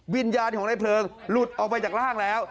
วิญญาณของในเพลิงหลุดออกไปจากร่างแล้ว